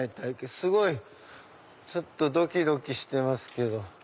すごいちょっとドキドキしてますけど。